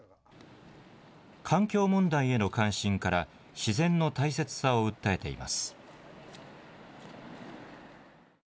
環境問題への関心から自然の大切さを訴えています。